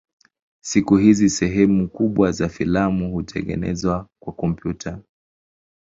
Siku hizi sehemu kubwa za filamu hutengenezwa kwa kompyuta.